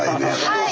はい！